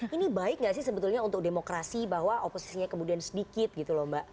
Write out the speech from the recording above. ini baik nggak sih sebetulnya untuk demokrasi bahwa oposisinya kemudian sedikit gitu loh mbak